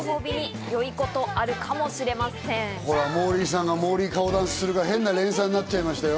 モーリーさんがモーリー顔ダンスするから、変な連鎖になっちゃったよ！